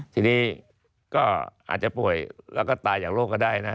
ทีนี้ก็อาจจะป่วยแล้วก็ตายจากโรคก็ได้นะ